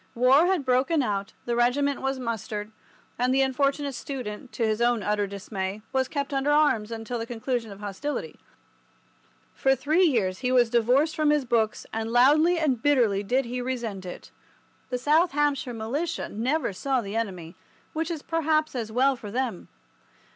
War had broken out, the regiment was mustered, and the unfortunate student, to his own utter dismay, was kept under arms until the conclusion of hostilities. For three years he was divorced from his books, and loudly and bitterly did he resent it. The South Hampshire Militia never saw the enemy, which is perhaps as well for them.